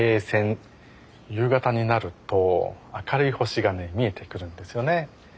夕方になると明るい星がね見えてくるんですよね。